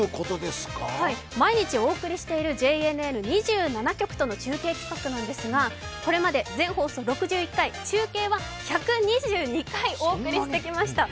毎日お送りしているＪＮＮ２７局との中継企画なんですが、これまで全放送６１回、中継は１２２回、お送りしてきました。